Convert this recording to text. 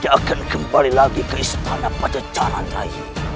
tidak akan kembali lagi ke istana pada jalan lain